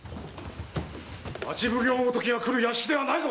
町奉行ごときが来る屋敷ではないぞ！